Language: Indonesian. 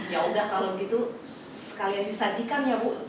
yaudah kalau gitu sekalian disajikan ya bu